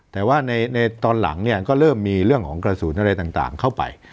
แต่ว่าในตอนหลังเนี่ยก็เริ่มมีเรื่องของกระสุนอะไรต่างเข้าไป